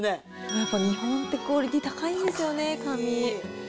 やっぱ日本ってクオリティー高いんですよね、紙。